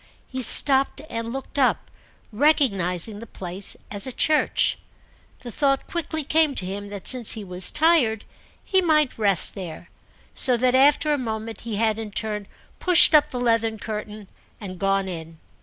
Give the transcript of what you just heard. He stopped and looked up, recognising the place as a church. The thought quickly came to him that since he was tired he might rest there; so that after a moment he had in turn pushed up the leathern curtain and gone in.